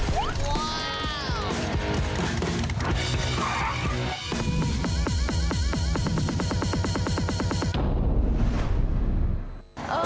ว้าว